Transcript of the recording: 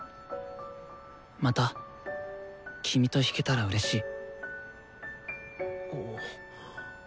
また君と弾けたらうれしい。